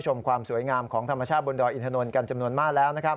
ชมความสวยงามของธรรมชาติบนดออีทนอนกันจำนวนมากแล้ว